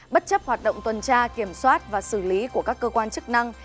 bất chấp hoạt động tuần tra kiểm soát và xử lý của các cơ quan chức năng